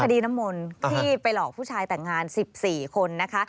ดีน้ำมนต์ที่ไปหลอกผู้ชายแต่งงาน๑๔คนนะคะ